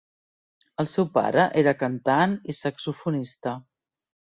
El seu pare era cantant i saxofonista.